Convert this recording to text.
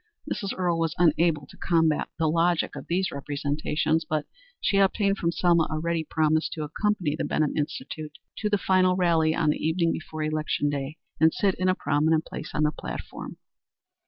Mrs. Earle was unable to combat the logic of these representations, but she obtained from Selma a ready promise to accompany the Benham Institute to the final rally on the evening before election day and sit in a prominent place on the platform.